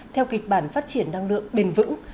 theo kịch bản phát triển năng lượng bền vững